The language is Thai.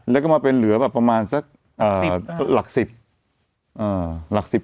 แล้วก็มาเป็นเหลือแบบประมาณสักเอ่อสิบหลักสิบอ่าหลักสิบ